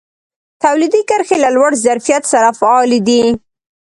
تولیدي کرښې له لوړ ظرفیت سره فعالې دي.